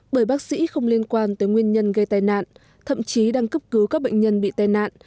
bởi bác sĩ không liên quan tới nguyên nhân gây tai nạn thậm chí đang cấp cứu các bệnh nhân bị tai nạn